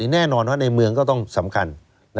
แน่นอนว่าในเมืองก็ต้องสำคัญ